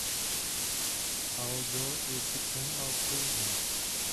Aldo je chycen a odsouzen.